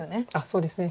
そうですね。